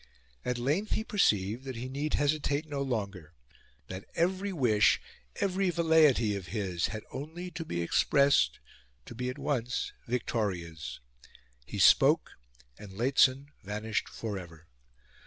At length he perceived that he need hesitate no longer that every wish, every velleity of his had only to be expressed to be at once Victoria's. He spoke, and Lehzen vanished for ever.